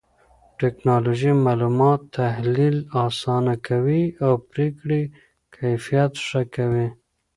ټکنالوژي معلومات تحليل آسانه کوي او پرېکړې کيفيت ښه کوي.